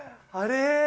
あれ？